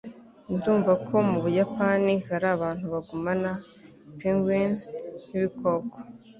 Ndumva ko mubuyapani hari abantu bagumana pingwin nkibikoko